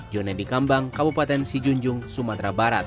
jone di kambang kabupaten sijunjung sumatera barat